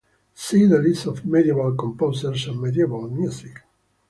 See the List of Medieval composers and Medieval music.